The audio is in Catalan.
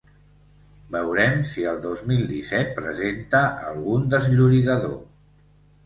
Veurem si el dos mil disset presenta algun desllorigador.